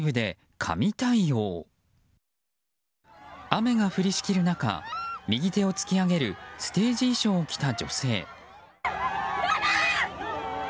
雨が降りしきる中右手を突き上げるステージ衣装を着た女性。